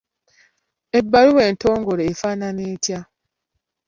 Ebbaluwa entongole efaanana etya?